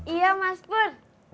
iya mas pur